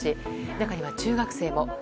中には中学生も。